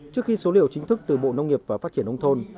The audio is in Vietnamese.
trước khi số liệu chính thức từ bộ nông nghiệp và phát triển nông thôn